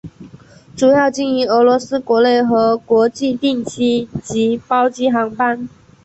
主要经营俄罗斯国内和国际定期及包机航班。